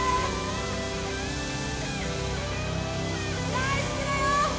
大好きだよ！